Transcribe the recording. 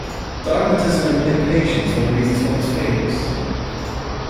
Dogmatism and impatience were the reasons for his failures.